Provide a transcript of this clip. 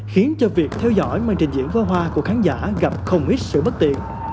khiến cho việc theo dõi màn trình diễn pháo hoa của khán giả gặp không ít sự bất tiện